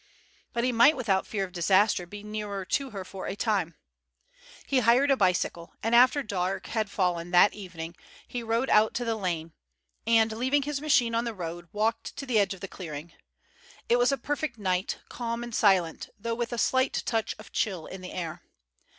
But he might without fear of disaster be nearer to her for a time. He hired a bicycle, and after dark had fallen that evening he rode out to the lane, and leaving his machine on the road, walked to the edge of the clearing. It was a perfect night, calm and silent, though with a slight touch of chill in the air.